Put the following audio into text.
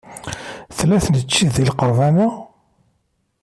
Tella tneččit deg lqerban-a?